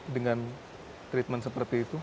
dengan treatment seperti itu